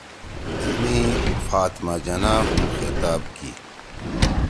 تیمی فاطمہ جناح ہُم خطاب کی